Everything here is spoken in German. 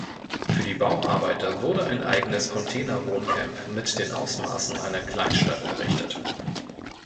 Für die Bauarbeiter wurde ein eigenes Container-Wohncamp mit den Ausmaßen einer Kleinstadt errichtet.